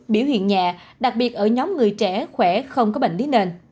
biểu hiện nhẹ đặc biệt ở nhóm người trẻ khỏe không có bệnh lý nền